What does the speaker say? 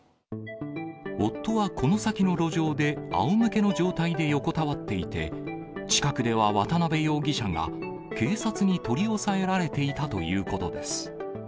夫はこの先の路上であおむけの状態で横たわっていて、近くでは、渡部容疑者が警察に取り押さえられていたということです。